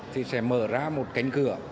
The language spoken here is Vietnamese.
thì sẽ mở ra một cánh cửa